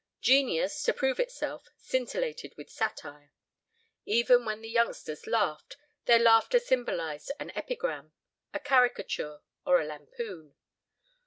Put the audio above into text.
Genius, to prove itself, scintillated with satire. Even when the youngsters laughed, their laughter symbolized an epigram, a caricature, or a lampoon.